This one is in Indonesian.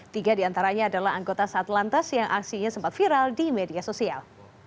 tiga diantaranya adalah anggota satlantas yang aksinya sempat viral di media sosial